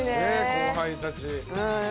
後輩たち。